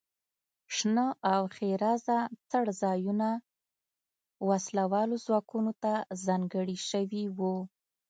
شنه او ښېرازه څړځایونه وسله والو ځواکونو ته ځانګړي شوي وو.